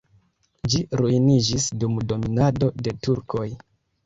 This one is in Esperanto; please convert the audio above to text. Ĝi ruiniĝis dum dominado de turkoj.